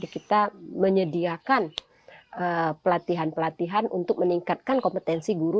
kita menyediakan pelatihan pelatihan untuk meningkatkan kompetensi guru